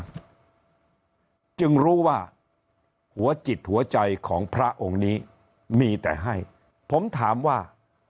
จึงรู้ว่าหัวจิตหัวใจของพระองค์นี้มีแต่ให้ผมถามว่า